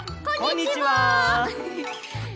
こんにちは。